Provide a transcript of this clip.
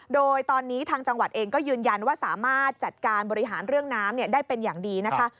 โดยตอนนี้ทางจังหวัดเองก็ยืนยันว่าสามารถจัดการบริหารเรื่องน้ำได้เป็นอย่างดีนะคะ